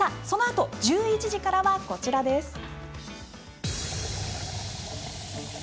そのあと１１時からがこちらです。